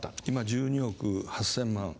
今１２億８０００万。